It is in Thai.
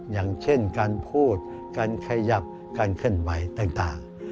อย่างเช่นการพูดการขยับการเคลื่อนไหวต่าง